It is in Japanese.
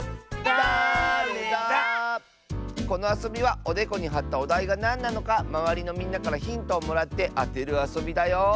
このあそびはおでこにはったおだいがなんなのかまわりのみんなからヒントをもらってあてるあそびだよ！